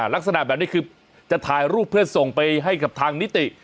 ลักษณะแบบนี้คือจะถ่ายรูปเพื่อส่งไปให้กับทางนิติ